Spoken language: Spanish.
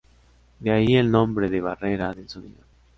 De ahí el nombre de barrera del sonido.